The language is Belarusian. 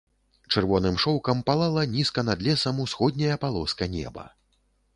Чырвоным шоўкам палала нізка над лесам усходняя палоска неба.